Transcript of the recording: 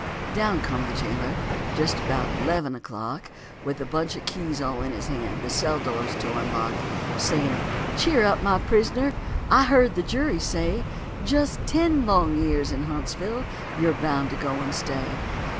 Down come the jailer, just about eleven o'clock, With a bunch of keys all in his hand the cell doors to unlock, Saying, "Cheer up, my prisoner, I heard the jury say Just ten long years in Huntsville you're bound to go and stay."